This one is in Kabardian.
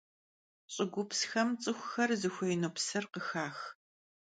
Ş'ıgupsxem ts'ıxuxer zıxuêinu psır khıxax.